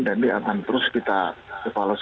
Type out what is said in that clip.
dan diantara terus kita evaluasi